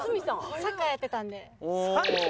サッカーやってた？